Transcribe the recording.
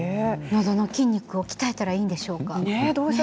どの筋肉を鍛えたらいいんでしょうか。